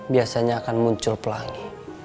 biasanya akan muncul pelangi